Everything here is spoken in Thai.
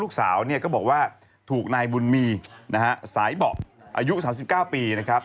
ลูกสาวเนี่ยก็บอกว่าถูกนายบุญมีนะฮะสายเบาะอายุสามสิบเก้าปีนะครับ